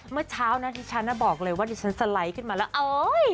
เมื่อเช้านะที่ฉันบอกเลยว่าดิฉันสไลด์ขึ้นมาแล้วโอ๊ย